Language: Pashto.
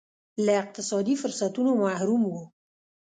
له اقتصادي فرصتونو محروم وو.